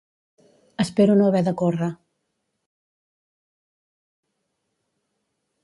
Espero no haver de córrer